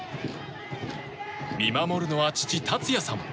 見守るのは父・竜也さん。